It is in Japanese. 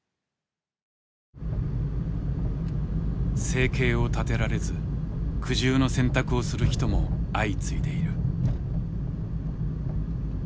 生計を立てられず苦渋の選択をする人も相次いでいる。